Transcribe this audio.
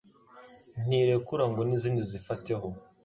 Ntirekura ngo nizindi zifateho